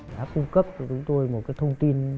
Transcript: đã cung cấp cho chúng tôi một cái thông tin